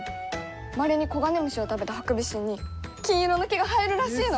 まれにコガネムシを食べたハクビシンに金色の毛が生えるらしいの！